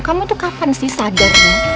kamu tuh kapan sih sadarnya